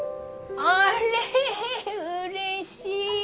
☎あれうれしい。